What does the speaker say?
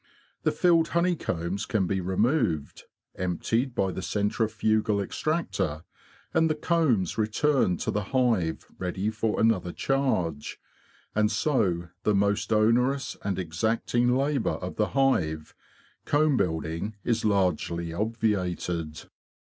The filled honeycombs can be removed, emptied by the centrifugal extractor, and the combs returned to the hive ready for another charge; and so the most onerous and exacting labour of the hive, comb building, is largely obviated.